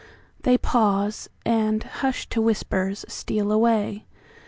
They pause, and hushed to whispers, steal away.